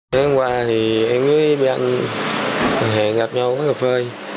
hôm qua em với bạn hẹn gặp nhau ở cà phê